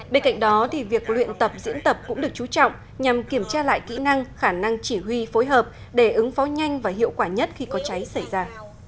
bên cạnh đó việc luyện tập diễn tập cũng được chú trọng nhằm kiểm tra lại kỹ năng khả năng chỉ huy phối hợp để ứng phó nhanh và hiệu quả nhất khi có cháy xảy ra